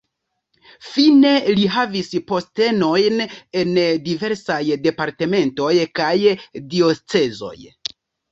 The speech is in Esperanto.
Fine li havis postenojn en diversaj departementoj kaj diocezoj.